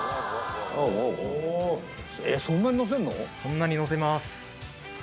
そんなにのせます。